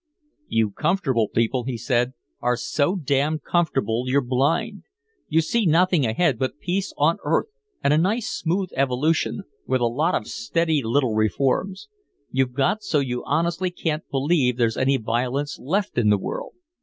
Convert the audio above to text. "You comfortable people," he said, "are so damn comfortable you're blind. You see nothing ahead but peace on earth and a nice smooth evolution with a lot of steady little reforms. You've got so you honestly can't believe there's any violence left in the world.